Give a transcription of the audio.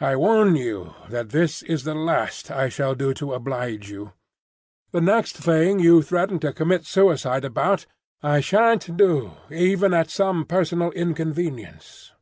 I warn you that this is the last I shall do to oblige you. The next thing you threaten to commit suicide about, I shan't do,—even at some personal inconvenience."